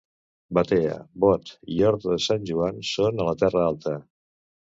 Batea, Bot i Horta de Sant Joan són a la Terra Alta.